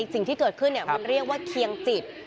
สิ่งที่เกิดขึ้นมันเรียกว่าเคียงจิต